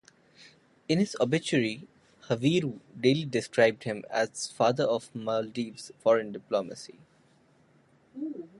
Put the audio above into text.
In his obituary Haveeru daily described him as father of Maldives foreign diplomacy.